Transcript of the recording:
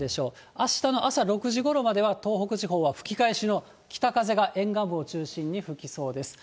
あしたの朝６時ごろまでは、東北地方は吹き返しの北風が沿岸部を中心に吹きそうです。